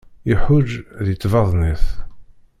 Iḥuǧǧ di tbaḍnit.